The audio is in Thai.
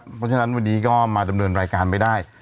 เพราะฉะนั้นวันนี้ก็มาดำเนินรายการไม่ได้